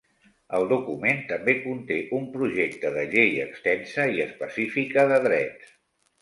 El document també conté un projecte de llei extensa i específica de Drets.